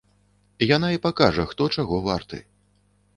Яна і пакажа, хто чаго варты.